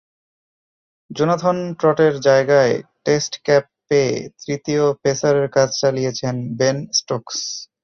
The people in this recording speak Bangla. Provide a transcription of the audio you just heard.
জোনাথন ট্রটের জায়গায় টেস্ট ক্যাপ পেয়ে তৃতীয় পেসারের কাজ চালিয়েছেন বেন স্টোকস।